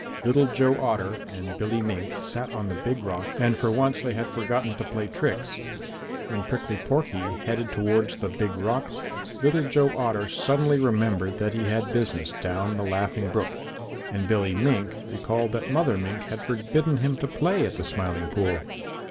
Little Joe Otter and Billy Mink sat on the Big Rock and for once they had forgotten to play tricks. When Prickly Porky headed towards the Big Rock, Little Joe Otter suddenly remembered that he had business down the Laughing Brook, and Billy Mink recalled that Mother Mink had forbidden him to play at the Smiling Pool.